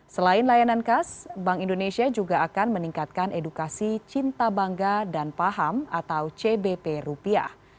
selain layanan kas bank indonesia juga akan meningkatkan edukasi cinta bangga dan paham atau cbp rupiah